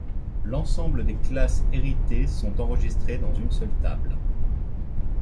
L'ensemble des classes héritées sont enregistrées dans une seule table.